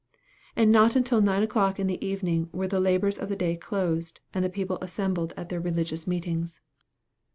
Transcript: And not until nine o'clock in the evening were the labors of the day closed, and the people assembled at their religious meetings.